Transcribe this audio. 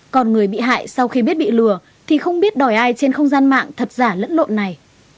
còn người bị hại sau khi biết bị lừa thì không biết đòi ai trên không gian mạng thật giả lẫn lộn này